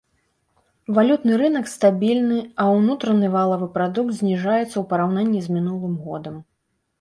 Валютны рынак стабільны а ўнутраны валавы прадукт зніжаецца ў параўнанні з мінулым годам.